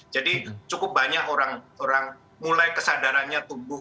jadi cukup banyak orang mulai kesadarannya tumbuh